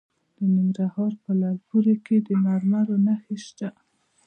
د ننګرهار په لعل پورې کې د مرمرو نښې شته.